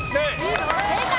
正解！